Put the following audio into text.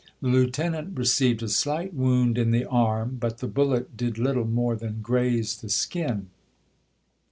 The lieutenant received a slight wound in the arm ; but the bullet did little more than graze the skin.